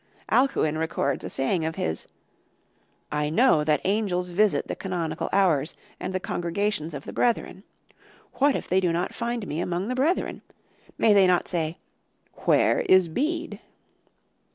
Alcuin records a saying of his, "I know that angels visit the canonical hours and the congregations of the brethren. What if they do not find me among the brethren? May they not say, 'Where is Bede?